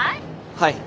はい。